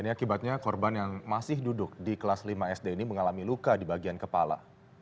ini akibatnya korban yang masih duduk di kelas lima sd ini mengalami luka di bagian kepala